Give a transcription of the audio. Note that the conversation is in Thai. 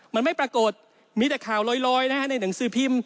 มันไม่ปรากฏมีแต่ข่าวลอยนะฮะในหนังสือพิมพ์